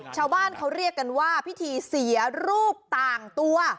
ชาวบ้านเขาเรียกกันว่าพิธีเสียรูปต่างตัว